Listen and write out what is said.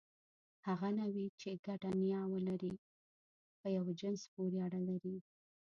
هغه نوعې، چې ګډه نیا ولري، په یوه جنس پورې اړه لري.